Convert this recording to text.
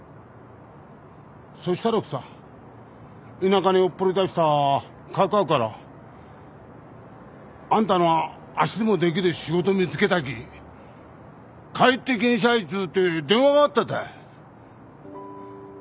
そしたらくさ田舎におっぽり出したかかあからあんたの足でもできる仕事見つけたき帰ってきんしゃいつうて電話があったたい。